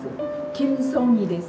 キム・ソンイです。